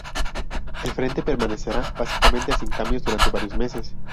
El frente permanecerá básicamente sin cambios durante varios meses.